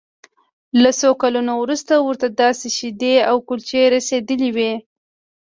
له څو کلونو وروسته ورته داسې شیدې او کلچې رسیدلې وې